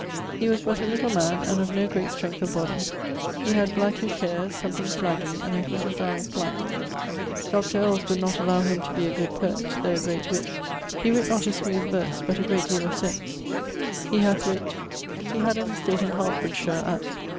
He was but a little man, and of no great strength of body; he had blackish haire, something flaggy, and I thinke his eies black. Dr. Earles would not allow him to be a good poet, though a great witt; he writt not a smoth verse, but a greate deal of sense. He hath writt.... He had an estate in Hertfordshire, at